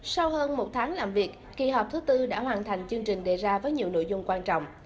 sau hơn một tháng làm việc kỳ họp thứ tư đã hoàn thành chương trình đề ra với nhiều nội dung quan trọng